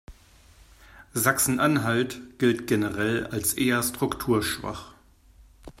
Sachsen-Anhalt gilt generell als eher strukturschwach.